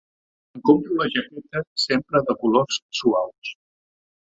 Em compro la jaqueta sempre de colors suaus.